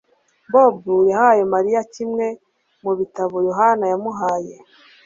Bobo yahaye Mariya kimwe mu bitabo Yohana yamuhaye